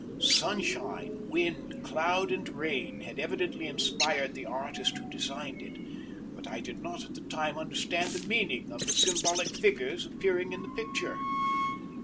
Sunshine, wind, cloud and rain had evidently inspired the artist who designed it, but I did not at the time understand the meaning of the symbolic figures appearing in the picture.